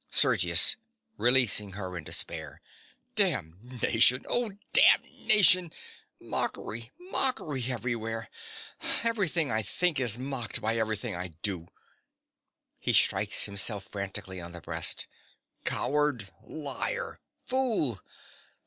SERGIUS. (releasing her in despair). Damnation! Oh, damnation! Mockery, mockery everywhere: everything I think is mocked by everything I do. (He strikes himself frantically on the breast.) Coward, liar, fool!